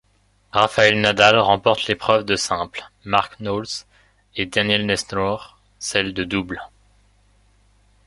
Rafael Nadal remporte l'épreuve de simple, Mark Knowles et Daniel Nestor celle de double.